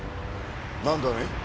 何だね？